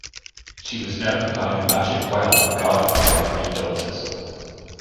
She was known for having a magic well, guarded by her three daughters.